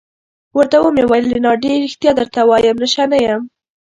ورته ومې ویل: رینالډي ريښتیا درته وایم، نشه نه یم.